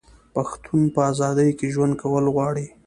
پښتون په ازادۍ کې ژوند کول غواړي.